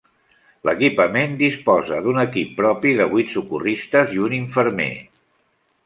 L'equipament disposa d'un equip propi de vuit socorristes i un infermer.